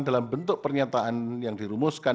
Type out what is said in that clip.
dalam bentuk pernyataan yang dirumuskan